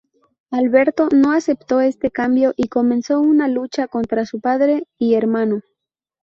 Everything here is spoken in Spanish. Alberto no aceptó este cambio y comenzó una lucha contra su padre y hermano.